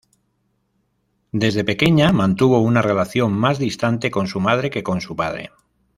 Desde pequeña mantuvo una relación más distante con su madre que con su padre.